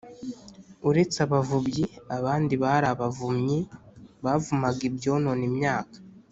uretse abavubyi, abandi bari abavumyi bavumaga ibyonona imyaka